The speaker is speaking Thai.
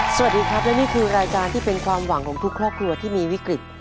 สวัสดีครับและนี่คือรายการที่เป็นความหวังของทุกครอบครัวที่มีวิกฤต